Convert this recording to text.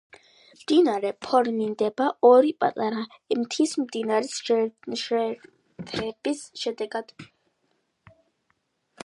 მდინარე ფორმირდება ორი პატარა მთის მდინარის შეერთების შედეგად.